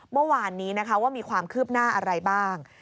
เมื่อวานนี้นะคะว่ามีความคืบหน้าอะไรบ้าง